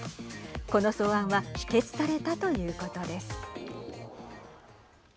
この草案は否決されたということです。